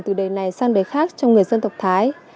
từ đời này sang đề khác trong người dân tộc thái